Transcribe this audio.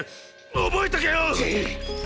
覚えとけよ！！